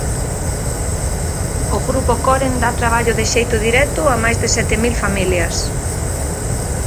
O grupo Coren da traballo de xeito directo a máis de sete mil familias.